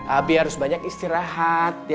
abi harus banyak istirahat